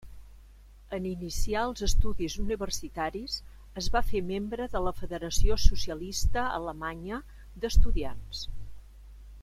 En iniciar els estudis universitaris, es va fer membre de la Federació Socialista Alemanya d'Estudiants.